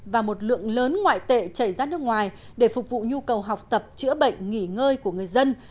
và một lượng lớn ngoại tệ chảy ra nước ngoài để phục vụ nhu cầu học tập chữa bệnh nghỉ ngơi của người dân